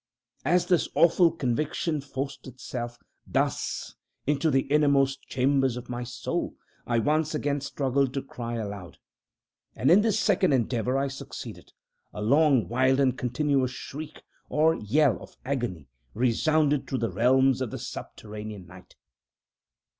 As this awful conviction forced itself, thus, into the innermost chambers of my soul, I once again struggled to cry aloud. And in this second endeavor I succeeded. A long, wild, and continuous shriek, or yell of agony, resounded through the realms of the subterranean Night.